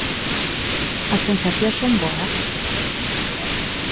As sensacións son boas.